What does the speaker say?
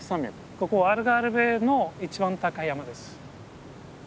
ここアルガルヴェの一番高い山です。